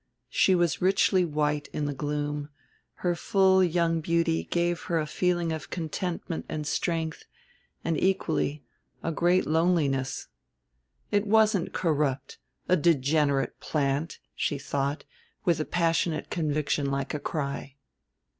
She was richly white in the gloom: her full young beauty gave her a feeling of contentment and strength, and, equally, a great loneliness. It wasn't corrupt, a "degenerate plant," she thought with a passionate conviction like a cry.